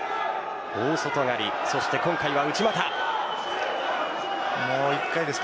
大外刈、そして今回は内股です。